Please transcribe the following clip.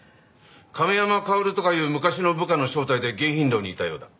亀山薫とかいう昔の部下の招待で迎賓楼にいたようだ。